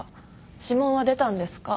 指紋は出たんですか？